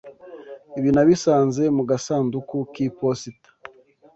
Ibi nabisanze mu gasanduku k'iposita.